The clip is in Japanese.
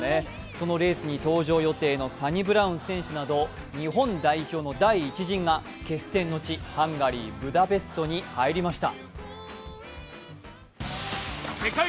そのレースに登場予定のサニブラウン選手など、日本代表の第１陣が決戦の地、ハンガリー・ブダペストに入りました。